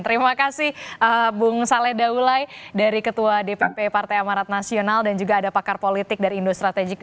terima kasih bung saleh daulai dari ketua dpp partai amarat nasional dan juga ada pakar politik dari indo strategik